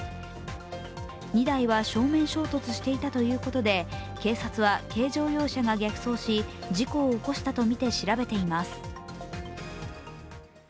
２台は正面衝突していたということで警察は軽乗用車が逆走し事故を起こしたとみて調べています。